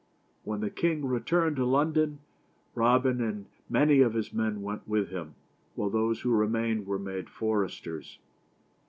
When the king returned to London, Robin and many of his men went with him, while those who remained were made foresters.